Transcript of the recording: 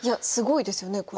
すごいですよね。